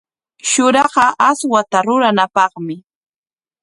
Shuraqa aswata ruranapaqmi.